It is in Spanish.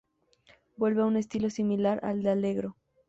Vuelve a un estilo similar al del "Allegro".